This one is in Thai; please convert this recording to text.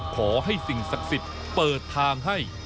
ขอให้สิ่งศักดิ์สิทธิ์เปิดทางให้